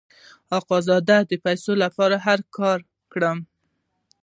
آقا زه د دې پیسو لپاره هر کار کوم.